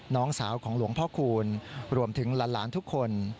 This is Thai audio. น้องสาวของหลวงพ่อคูณรวมถึงหลานทุกคน